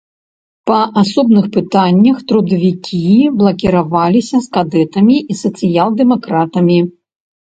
Па асобных пытаннях трудавікі блакіраваліся з кадэтамі і сацыял-дэмакратамі.